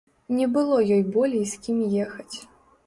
Не было ёй болей з кім ехаць.